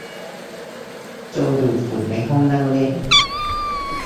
โจดูดฝุ่นในห้องนั่งเล่น